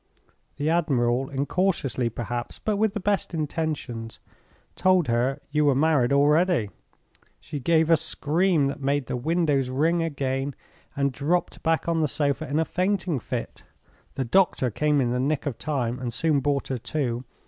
The admiral, incautiously perhaps, but with the best intentions, told her you were married already. She gave a scream that made the windows ring again and dropped back on the sofa in a fainting fit. The doctor came in the nick of time, and soon brought her to.